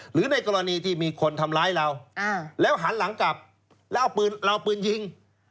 หรือในกรณีที่มีคนทำร้ายเราแล้วหันหลังกลับแล้วเอาปืนเราเอาปืนยิง